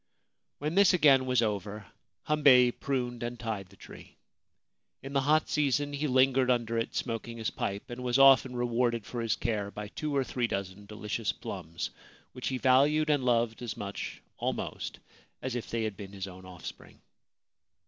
When this again was over Hambei pruned and tied the tree. In the hot season he lingered under it smoking his pipe, and was often rewarded for his care by two or three dozen delicious plums, which he valued and loved as much almost as if they had been his own offspring.